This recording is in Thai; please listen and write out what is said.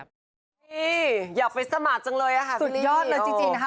นี่อยากไปสมัครจังเลยค่ะสุดยอดเลยจริงนะคะ